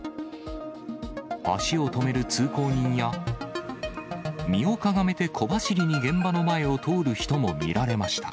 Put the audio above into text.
足を止める通行人や、身をかがめて小走りに現場の前を通る人も見られました。